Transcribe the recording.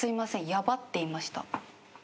ヤバって言いました。